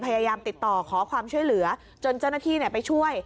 พยายามติดต่อขอความช่วยเหลือจนเจ้าหน้าที่ไปช่วย